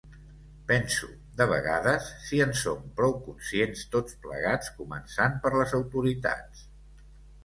Penso, de vegades, si en som prou conscients, tots plegats, començant per les autoritats.